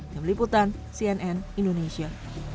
demi liputan cnn indonesia